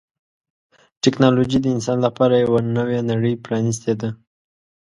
ټکنالوجي د انسان لپاره یوه نوې نړۍ پرانستې ده.